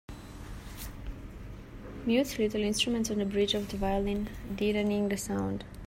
Mutes little instruments on the bridge of the violin, deadening the sound.